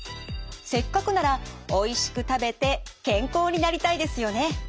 せっかくならおいしく食べて健康になりたいですよね。